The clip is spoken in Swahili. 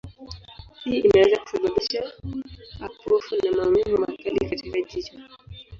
Hii inaweza kusababisha upofu na maumivu makali katika jicho.